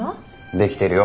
できてるよ。